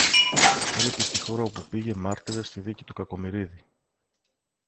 Έλειπε στη χώρα όπου πήγε μάρτυρας στη δίκη του Κακομοιρίδη